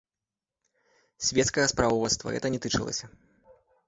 Свецкага справаводства гэта не тычылася.